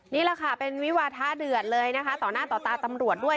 นี่แหละค่ะเป็นวิวาทะเดือดเลยนะคะต่อหน้าต่อตาตำรวจด้วย